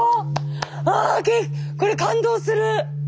あこれ感動する！